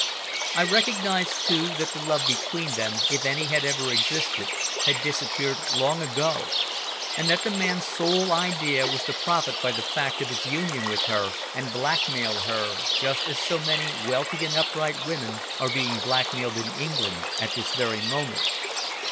I recognised, too, that the love between them, if any, had ever existed, had disappeared long ago, and that the man's sole idea was to profit by the fact of his union with her, and blackmail her just as so many wealthy and upright women are being blackmailed in England at this very moment.